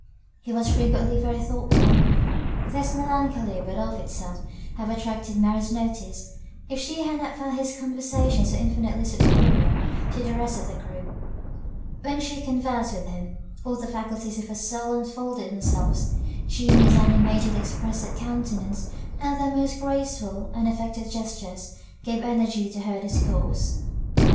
He was frequently very thoughtful, or rather melancholy; this melancholy would of itself have attracted Mary's notice, if she had not found his conversation so infinitely superior to the rest of the group. When she conversed with him, all the faculties of her soul unfolded themselves; genius animated her expressive countenance and the most graceful, unaffected gestures gave energy to her discourse.